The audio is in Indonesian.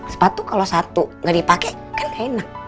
sepatu kalo satu gak dipake kan gak enak